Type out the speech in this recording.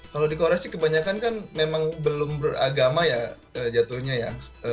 kalau di korea sih kebanyakan kan memang belum beragama ya jatuhnya ya